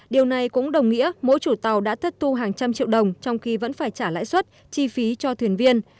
điều này cũng đồng nghĩa mỗi chủ tàu đã thất tu hàng trăm triệu đồng trong khi vẫn phải trả lãi suất chi phí cho thuyền viên